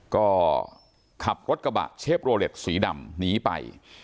ก็ขับรถกระบะเชฟโรเล็ตสีดำหนีไป